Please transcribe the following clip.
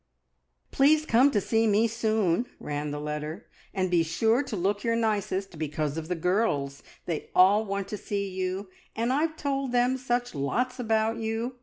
"Please come to see me soon," ran the letter, "and be sure to look your nicest, because of the girls! They all want to see you, and I've told them such lots about you.